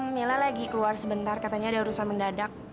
mila lagi keluar sebentar katanya ada urusan mendadak